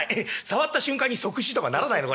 触った瞬間に即死とかにならないの？